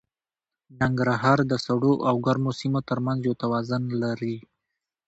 ننګرهار د سړو او ګرمو سیمو تر منځ یو توازن لري.